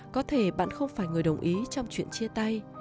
có thể bạn không phải người đồng ý trong chuyện chia tay